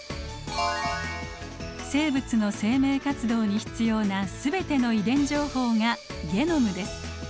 生物の生命活動に必要な全ての遺伝情報がゲノムです。